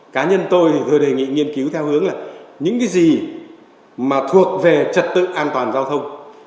cá nhân tôi thì vừa đề nghị nghiên cứu theo hướng là những cái gì mà thuộc về trật tự an toàn giao thông